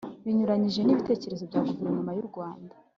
binyuranyije n'ibitekerezo bya guverinoma y'u rwanda.